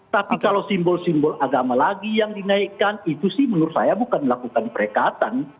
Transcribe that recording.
tapi kalau simbol simbol agama lagi yang dinaikkan itu sih menurut saya bukan melakukan perekatan